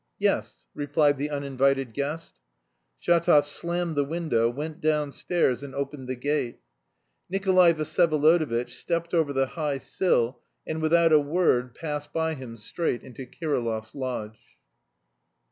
"Yes," replied the uninvited guest. Shatov slammed the window, went downstairs and opened the gate. Nikolay Vsyevolodovitch stepped over the high sill, and without a word passed by him straight into Kirillov's lodge.